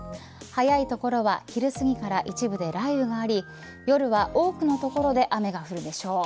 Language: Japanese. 早い所は昼すぎから一部で雷雨があり夜は多くの所で雨が降るでしょう。